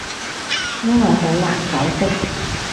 因為好難解釋